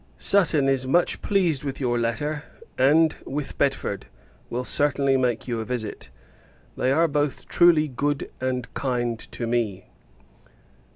Sutton is much pleased with your letter; and, with Bedford, will certainly make you a visit. They are both truly good and kind to me.